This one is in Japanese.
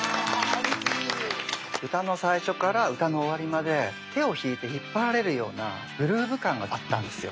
歌の最初から歌の終わりまで手を引いて引っ張られるようなグルーブ感があったんですよ。